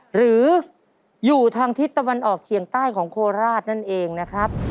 หรืออยู่ทางทิศตะวันออกเฉียงใต้ของโคราชนั่นเองนะครับ